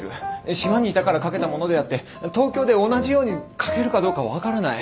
島にいたから書けたものであって東京で同じように書けるかどうか分からない。